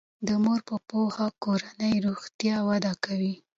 د مور په پوهه کورنی روغتیا وده کوي.